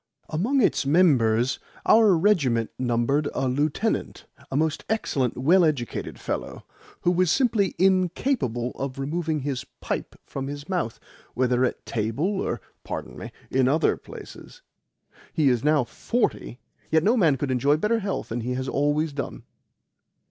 Among its members our regiment numbered a lieutenant a most excellent, well educated fellow who was simply INCAPABLE of removing his pipe from his mouth, whether at table or (pardon me) in other places. He is now forty, yet no man could enjoy better health than he has always done."